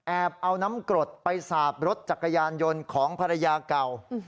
เอาน้ำกรดไปสาบรถจักรยานยนต์ของภรรยาเก่า